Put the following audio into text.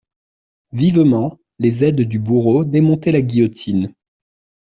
Vivement, les aides du bourreau démontaient la guillotine.